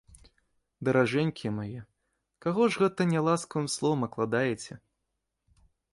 Даражэнькія мае, каго ж гэта няласкавым словам акладаеце?